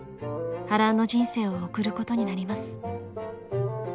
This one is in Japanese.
波乱の人生を送ることになります。